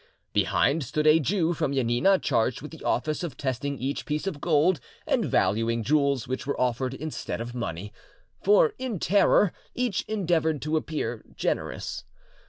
Behind stood a Jew from Janina, charged with the office of testing each piece of gold and valuing jewels which were offered instead of money; for, in terror, each endeavoured to appear generous.